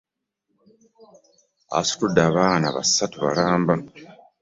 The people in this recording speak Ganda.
Asitudde abaana basatu balamba!